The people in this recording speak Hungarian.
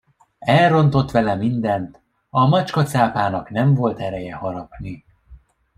Elrontott vele mindent: a macskacápának nem volt ereje harapni.